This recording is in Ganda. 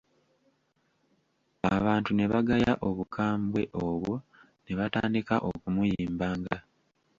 Abantu ne bagaya obukambwe obwo ne batandika okumuyimbanga.